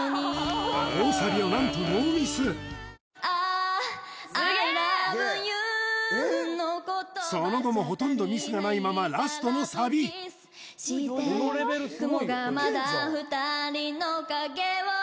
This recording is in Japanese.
大サビを何とノーミスその後もほとんどミスがないままラストのサビきたきたきたきた！